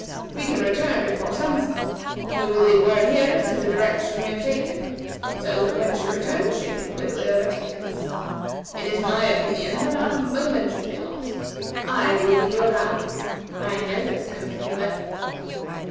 We can return before sunset, and we will leave word here as to the direction we have taken, so that when she returns, she can quickly overtake us. It is my opinion that not a moment should be lost. I will be your guide. I know this country well."